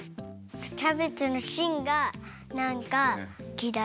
キャベツのしんがなんかきらい。